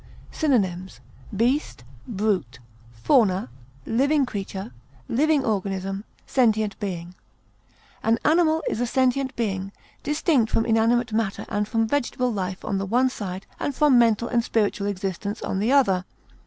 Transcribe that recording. Synonyms: beast, fauna, living organism, sentient being. brute, living creature, An animal is a sentient being, distinct from inanimate matter and from vegetable life on the one side and from mental and spiritual existence on the other.